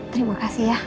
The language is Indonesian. terima kasih ya